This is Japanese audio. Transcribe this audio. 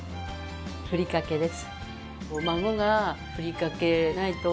ふりかけです。